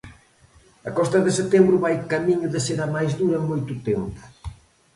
A costa de setembro vai camiño de ser a máis dura en moito tempo.